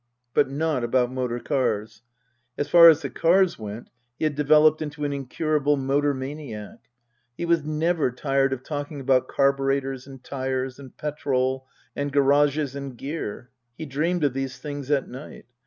But not about motor cars. As far as the cars went he had developed into an incurable motor maniac. He was never tired of talking about carburetters, and tyres, and petrol, and garages and gear. He dreamed of these things at night.